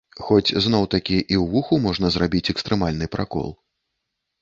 Хоць зноў-такі, і ў вуху можна зрабіць экстрэмальны пракол.